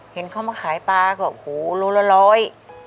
เห็นเขามาขายปลาก็โหโลละร้อย